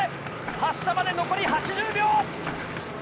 発車まで残り８０秒。